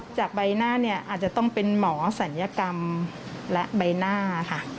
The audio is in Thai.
จากใบหน้าเนี่ยอาจจะต้องเป็นหมอศัลยกรรมและใบหน้าค่ะ